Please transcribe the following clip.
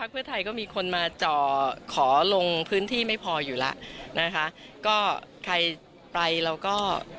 ขอลงพื้นที่ไม่พออยู่แล้วนะคะก็ใครไปเราก็